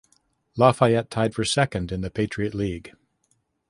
Lafayette tied for second in the Patriot League.